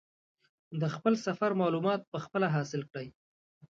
د خپل سفر معلومات په خپله حاصل کړي.